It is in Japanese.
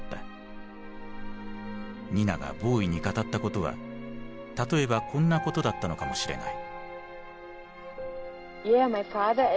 ニナがボウイに語ったことは例えばこんなことだったのかもしれない。